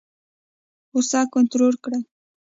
غوسه کنټرول کړئ